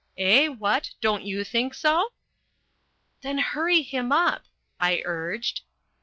Eh? What? Don't you think so?" "Then hurry him up," I urged.